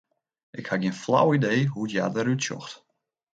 Ik ha gjin flau idee hoe't hja derút sjocht.